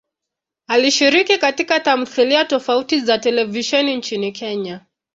Alishiriki katika tamthilia tofauti za televisheni nchini Kenya.